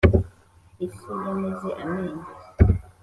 isi yameze amenyo